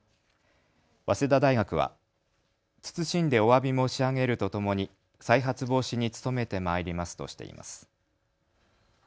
早稲田大学は慎んでおわび申し上げるとともに再発防止に努めてまいりますとしています。